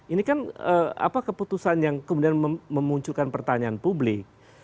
ini kan keputusan yang kemudian memunculkan pertanyaan publik